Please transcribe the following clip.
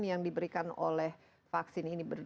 yang diberikan oleh vaksin ini